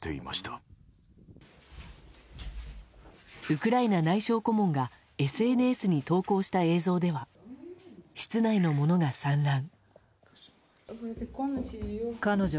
ウクライナ内相顧問がＳＮＳに投稿した映像では室内のものが散乱。